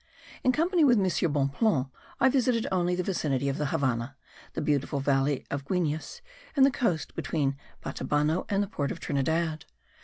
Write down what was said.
In company with M. Bonpland I visited only the vicinity of the Havannah, the beautiful valley of Guines and the coast between Batabano and the port of Trinidad.